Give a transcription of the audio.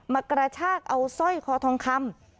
กระชากเอาสร้อยคอทองคำ